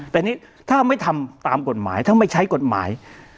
แต่นี่ถ้าไม่ทำตามกฎหมายถ้าไม่ใช้กฎหมาย